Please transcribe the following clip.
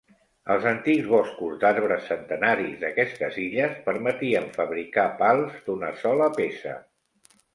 Els antics boscos d'arbres centenaris d'aquestes illes permetien fabricar pals d'una sola peça.